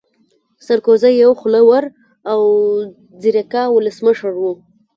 سرکوزی يو خوله ور او ځيرکا ولسمشر وو